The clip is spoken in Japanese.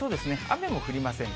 雨も降りません。